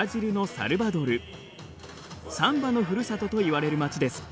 サンバのふるさとといわれる町です。